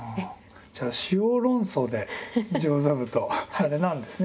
じゃあ「塩論争」で上座部とあれなんですね